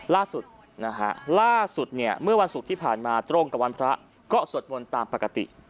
ล่าสุดนะฮะล่าสุดเนี่ยเมื่อวันศุกร์ที่ผ่านมาตรงกับวันพระก็สวดมนต์ตามปกติ